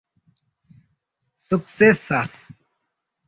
sukcesas